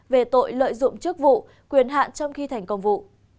về tội lợi dụng chức vụ quyền hạn trong khi thành công vụ